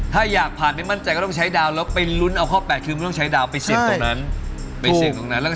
ถ้าอยากผ่านไม่มั่นใจก็ต้องใช้ดาวแล้วไปลุ้นเอาข้อ๘ใช้ดาวไปเสี่ยงตรงนั้น